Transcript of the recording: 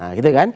nah gitu kan